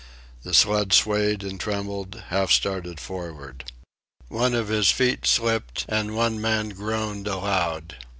The sled swayed and trembled, half started forward. One of his feet slipped, and one man groaned aloud.